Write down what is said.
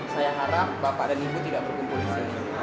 saya harap bapak dan ibu tidak berkumpul di sini